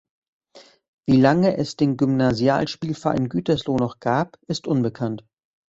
Wie lange es den Gymnasial-Spielverein Gütersloh noch gab, ist unbekannt.